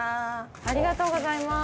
ありがとうございます。